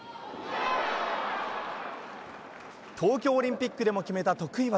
東京オリンピックでも決めた得意技、